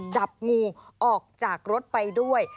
จับงูออกจากรถไปด้วย